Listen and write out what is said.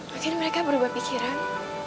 mungkin mereka berubah pikiran